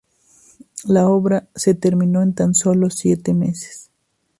La obra se terminó en tan solo siete meses.